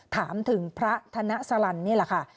ถามถึงพระธนสลันนี่แหละค่ะ